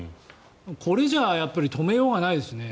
これじゃ、やっぱり止めようがないですね。